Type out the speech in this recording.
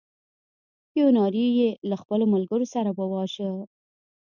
کیوناري یې له خپلو ملګرو سره وواژه.